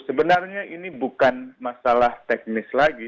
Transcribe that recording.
sebenarnya ini bukan masalah teknis lagi